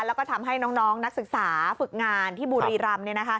แล้วก็ทำให้น้องนักศึกษาฝึกงานที่บุรีรำ